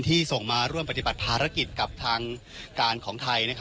ส่งมาร่วมปฏิบัติภารกิจกับทางการของไทย